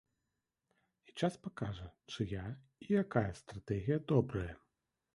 І час пакажа, чыя і якая стратэгія добрая.